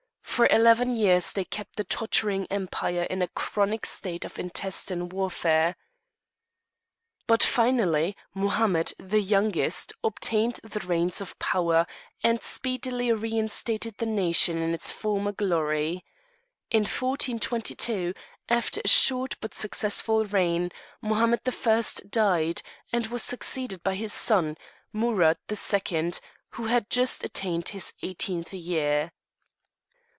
For eleven years they kept the tottering empire in a chronic state of intestine warfare, but finally, Mohammed, the youngest, obtained the reins of power, and speedily reinstated the nation in its former glory. In 1422, after a short but successful reign, Mohammed the First died, and was succeeded by his son, Amurath the Second, who had just attained his eighteenth year.